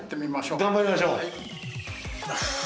頑張りましょう。